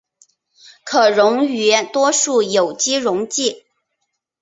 可溶于多数有机溶剂。